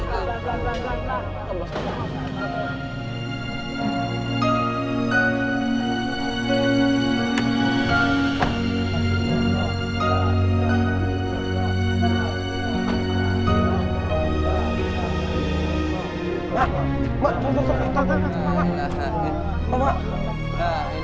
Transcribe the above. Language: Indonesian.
buat dus absurd